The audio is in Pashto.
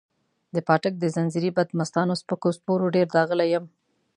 د پاټک د ځنځیري بدمستانو سپکو سپورو ډېر داغلی یم.